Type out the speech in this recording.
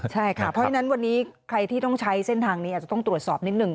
ใช่ค่ะเพราะฉะนั้นวันนี้ใครที่ต้องใช้เส้นทางนี้อาจจะต้องตรวจสอบนิดหนึ่ง